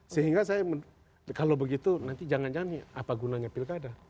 sehingga saya kalau begitu nanti jangan jangan apa gunanya pilkada